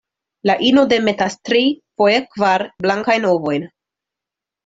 La ino demetas tri, foje kvar, blankajn ovojn.